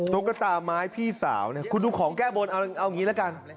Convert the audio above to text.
ตุ๊กตาไม้พี่สาวเนี่ยคุณดูของแก้บนเอาอย่างนี้ละกัน